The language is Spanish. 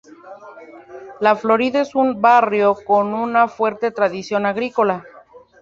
La Florida es un barrio con una fuerte tradición agrícola.